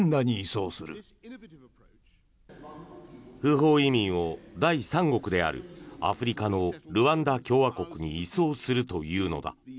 不法移民を第三国であるアフリカのルワンダ共和国に移送するというのだ。